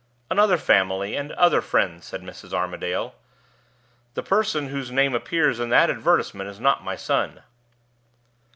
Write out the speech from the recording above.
"Another family, and other friends," said Mrs. Armadale. "The person whose name appears in that advertisement is not my son."